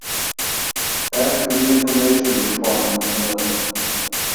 After the Information Requirement no.